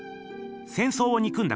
戦争をにくんだ